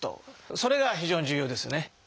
それが非常に重要ですね。